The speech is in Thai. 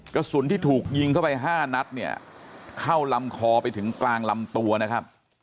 กระสุนที่ถูกยิงเข้าไปห้านัดเนี่ยเข้าลำคอไปถึงกลางลำตัวนะครับ